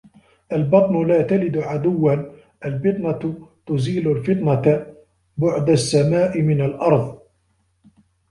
البطن لا تلد عدواً البطنة تزيل الفطنة بُعد السما من الأرض